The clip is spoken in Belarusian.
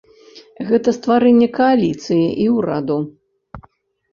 Гэта стварэнне кааліцыі і ўраду.